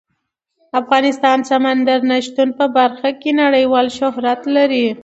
افغانستان د سمندر نه شتون په برخه کې نړیوال شهرت لري.